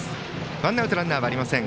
ワンアウトランナーはありません。